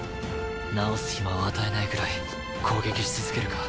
治す暇を与えないくらい攻撃し続けるか。